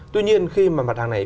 tuy nhiên khi mà mặt hàng này